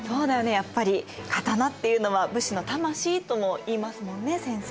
やっぱり刀っていうのは武士の魂ともいいますもんね先生。